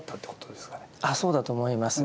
あそうだと思います。